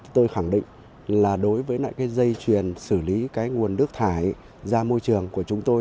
tôi khẳng định là đối với dây chuyển xử lý nguồn nước thải ra môi trường của chúng tôi